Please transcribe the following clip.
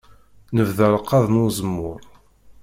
Nebda alqaḍ n uzemmur.